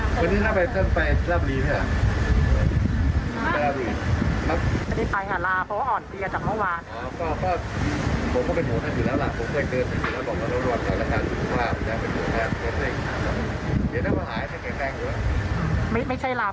ไม่ใช่ลาป่วยการเมืองใช่ไหมครับท่านขาเพราะอาจไม่อยากเจอหน้าท่านเพราะว่าเหตุการณ์จากเมื่อวานนี้นะครับ